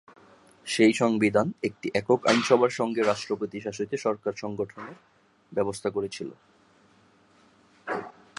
সেই সংবিধান একটি একক আইনসভার সঙ্গে রাষ্ট্রপতি শাসিত সরকার গঠনের ব্যবস্থা করেছিল।